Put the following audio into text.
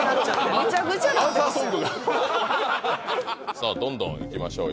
さぁどんどんいきましょうよ。